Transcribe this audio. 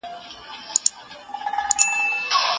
ښځې او ماشومان خوندي شول